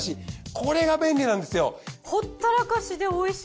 これが便利なんですよ。